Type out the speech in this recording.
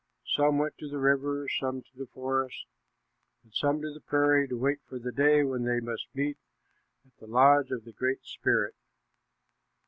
Some went to the river, some to the forest, and some to the prairie, to wait for the day when they must meet at the lodge of the Great Spirit.